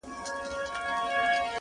چي له غله سره د کور د سړي پل وي!!